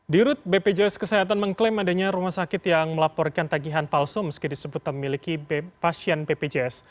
dirut bpjs kesehatan mengklaim adanya rumah sakit yang melaporkan tagihan palsu meski disebut memiliki pasien bpjs